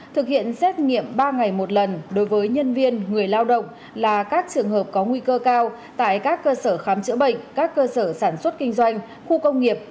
thực hiện xét nghiệm ba ngày một lần đối với nhân viên người lao động là các trường hợp có nguy cơ cao tại các cơ sở khám chữa bệnh các cơ sở sản xuất kinh doanh khu công nghiệp